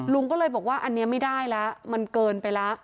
ลุงก็เลยบอกว่าอันนี้ไม่ได้แล้วมันเกินไปแล้ว